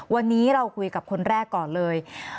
วันนี้เราคุยกับคนแรกก่อนเลย